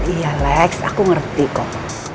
iya lex aku ngerti kok